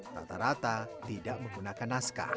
rata rata tidak menggunakan naskah